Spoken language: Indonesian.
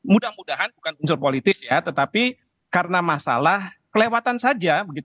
mudah mudahan bukan unsur politis ya tetapi karena masalah kelewatan saja